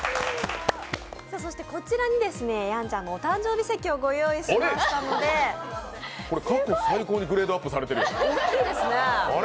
こちらにやんちゃんのお誕生日席をご用意しましたので過去最高にグレードアップされてる。